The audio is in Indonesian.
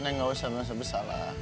neng gak usah ngerasa bersalah